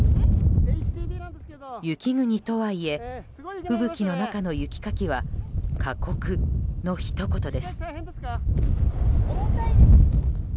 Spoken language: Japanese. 雪国とはいえ吹雪の中の雪かきは過酷のひと言です。